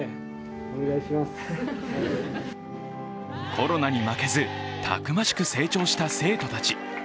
コロナに負けず、たくましく成長した生徒たち。